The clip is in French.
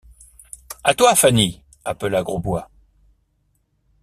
À toi, Fanny! appela Grosbois.